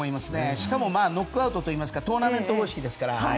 しかも、ノックアウトというかトーナメント方式ですから。